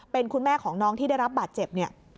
เป็นคุณแม่ของน้องที่ได้รับบาดเจ็บเนี่ย